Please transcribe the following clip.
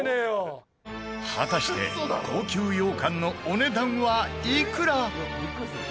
果たして高級羊羹のお値段は、いくら？